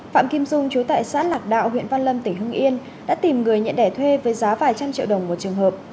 phạm kim dung chú tại xã lạc đạo huyện văn lâm tỉnh hưng yên đã tìm người nhận đẻ thuê với giá vài trăm triệu đồng một trường hợp